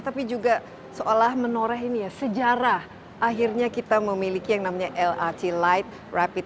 tapi juga seolah menoreh ini ya sejarah akhirnya kita memiliki yang namanya lrt light rapid